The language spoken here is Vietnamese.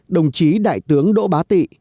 đồng chí đại tướng đỗ bá tị